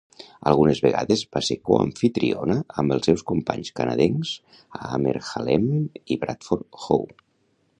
Algunes vegades va ser coamfitriona amb els seus companys canadencs Aamer Haleem i Bradford How.